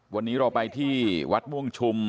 วันนี้เราไปที่วัดม่วงชุม